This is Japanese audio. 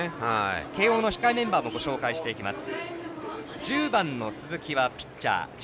慶応の控えメンバーもご紹介していきます。